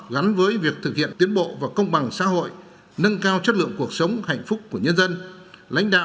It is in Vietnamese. gắn với việc thực hiện tiến bộ và công bằng xã hội nâng cao chất lượng cuộc sống hạnh phúc của nhân dân